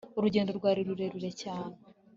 urugendo rwari narurerure cyane